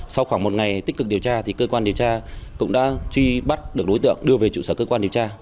sau khoảng một ngày tích cực điều tra thì cơ quan điều tra cũng đã truy bắt được đối tượng đưa về trụ sở cơ quan điều tra